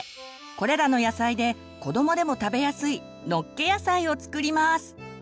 これらの野菜で子どもでも食べやすい「のっけ野菜」を作ります！